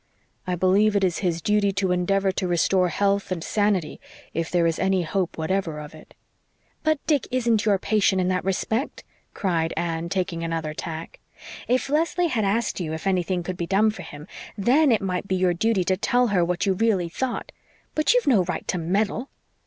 I believe it his duty to endeavor to restore health and sanity, if there is any hope whatever of it." "But Dick isn't your patient in that respect," cried Anne, taking another tack. "If Leslie had asked you if anything could be done for him, THEN it might be your duty to tell her what you really thought. But you've no right to meddle."